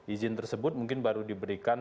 izin tersebut mungkin baru diberikan